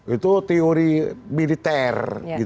itu teori militer